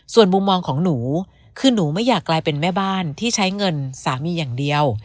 ส่วนมุมมองของหนูคือหนูไม่อยากกลายเป็นแม่บ้านที่ใช้เงินสามีอย่างเดียว